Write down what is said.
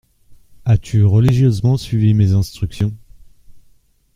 As-tu religieusement suivi mes instructions ?